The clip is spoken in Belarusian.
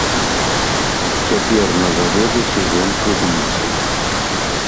Цяпер на заводзе сезон клубніцаў.